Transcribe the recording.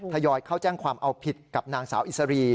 ทยอยเข้าแจ้งความเอาผิดกับนางสาวอิสรี